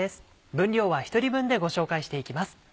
分量は１人分でご紹介していきます。